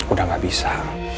udah gak bisa